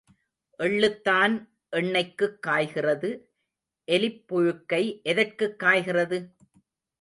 எள்ளுத்தான் எண்ணெய்க்குக் காய்கிறது எலிப் புழுக்கை எதற்குக் காய்கிறது?